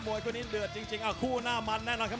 วยคู่นี้เดือดจริงคู่หน้ามันแน่นอนครับ